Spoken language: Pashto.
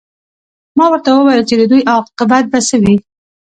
ما ورته وویل چې د دوی عاقبت به څه وي